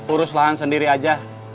urus lahan sendiri aja